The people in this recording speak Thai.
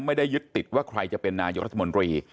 ไม่ได้ยึดติดว่าใครจะเป็นนายกรัฐมนตรี